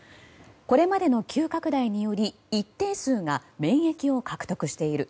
これまでの急拡大により一定数が免疫を獲得している。